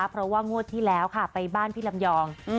เพราะว่างวดที่แล้วค่ะไปบ้านพี่ลำยอง